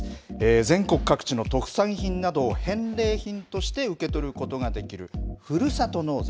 全国各地の特産品などを返礼品として受け取ることのできるふるさと納税。